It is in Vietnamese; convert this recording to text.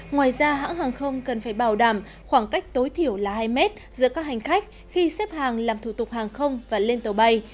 ngoài ra hãng hàng không cần phải bảo đảm khoảng cách tối thiểu là hai mét giữa các hành khách khi xếp hàng làm thủ tục hàng không và lên tàu bay